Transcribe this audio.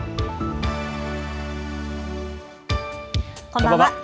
こんばんは。